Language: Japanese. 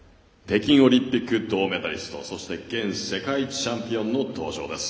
北京オリンピック銅メダリストそして現世界チャンピオンの登場です。